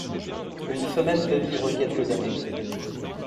Une femelle peut vivre quelques années.